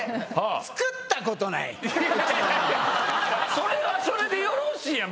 それはそれでよろしいやん